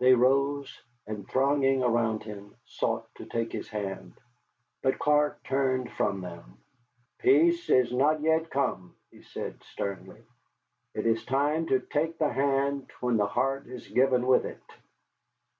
They rose and, thronging around him, sought to take his hand. But Clark turned from them. "Peace is not yet come," he said sternly. "It is time to take the hand when the heart is given with it."